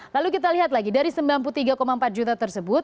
lalu kita lihat lagi dari sembilan puluh tiga empat juta tersebut